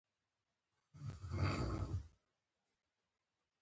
ښځه په ټولنه کي ځانګړی ځای لري.